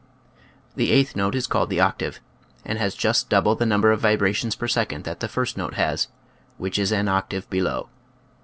The eighth note is called the octave, and has just double the number of vibrations per second that the first note has, which is an octave be low.